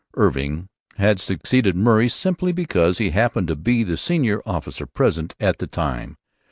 Irving had succeeded Murray simply because he happened to be the senior officer present at the time.